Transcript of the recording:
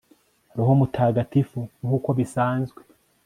roho mutagatifu ; nk'uko bisanzwe